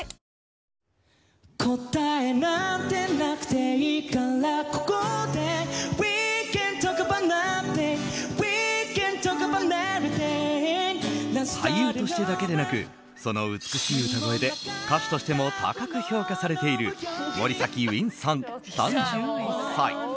しかし、最近ライブの打ち合わせで俳優としてだけでなくその美しい歌声で歌手としても高く評価されている森崎ウィンさん、３１歳。